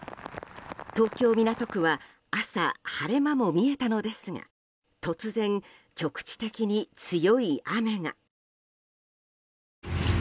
東京・港区は朝晴れ間も見えたのですが突然、局地的に強い雨が。